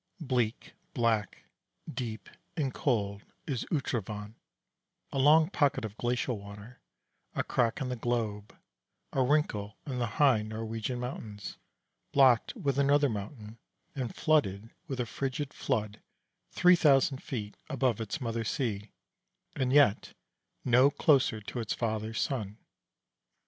Bleak, black, deep, and cold is Utrovand, a long pocket of glacial water, a crack in the globe, a wrinkle in the high Norwegian mountains, blocked with another mountain, and flooded with a frigid flood, three thousand feet above its Mother Sea, and yet no closer to its Father Sun.